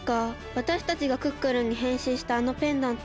わたしたちがクックルンにへんしんしたあのペンダントは。